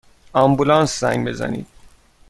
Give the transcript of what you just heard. آمبولانس زنگ بزنید!